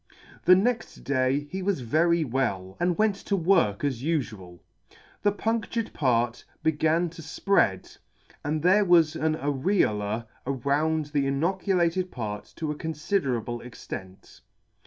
The next day he was very well, and went to work as ufual. The punc tured part began to fpread, and there was the areola around the inoculated part to a confiderable extent.